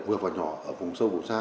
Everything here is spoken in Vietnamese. vừa và nhỏ ở vùng sâu vùng xa